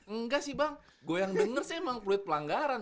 enggak sih bang gue yang denger sih emang peluit pelanggaran